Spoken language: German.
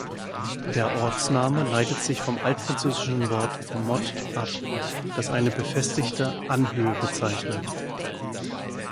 Der Ortsname leitet sich vom altfranzösischen Wort "mothe" ab, das eine befestigte Anhöhe bezeichnet.